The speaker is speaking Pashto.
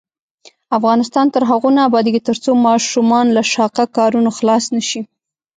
افغانستان تر هغو نه ابادیږي، ترڅو ماشومان له شاقه کارونو خلاص نشي.